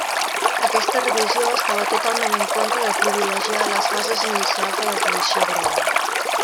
Aquesta revisió estava totalment en contra de privilegiar les fases inicials de la tradició grega.